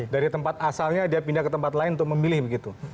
dari tempat asalnya dia pindah ke tempat lain untuk memilih begitu